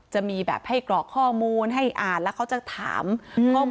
จะมีแบบให้กรอกข้อมูลให้อ่านแล้วเขาจะถามข้อมูล